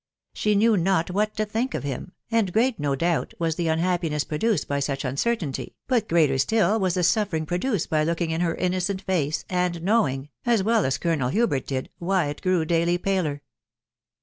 She knew not what to think of him, and great, no doubt, was the unhappiness pro duced by such uncertainty ; but greater still was the suffering produced by looking in her innocent face, and knowing, as well as Colonel Hubert did, why it grew daily paler.